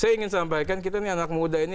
saya ingin sampaikan kita ini anak muda ini